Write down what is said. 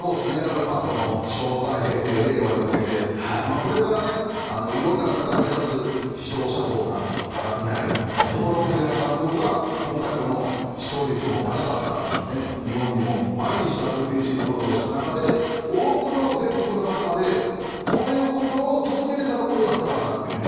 この昭和から平成令和に向けてこれから色んな方が目指す指導者像なのかなってところを栗山監督が今回この視聴率も高かった日本にも毎日、ＷＢＣのことをした中で多くの全国の方までこういうことを届けれたのもよかったのかなというね。